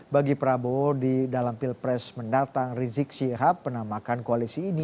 bagi prabowo di dalam pilpres mendatang rizik syihab penamakan koalisi ini